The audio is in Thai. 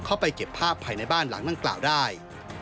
เข้าไปเก็บภาพภายในบ้านหลังดังกล่าวได้